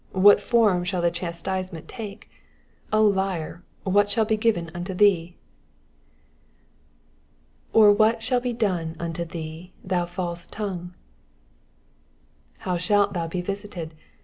What form shall the chastisement take ? O fiar, ^* what shall be given unto thee ?" ''^Or what shall he done unto thee^ thou false tongue V* How shalt thou be visited